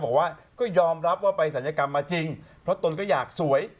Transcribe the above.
บอกว่าก็ยอมรับว่าไปศัลยกรรมมาจริงเพราะตนก็อยากสวย